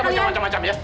eh kita macam macam ya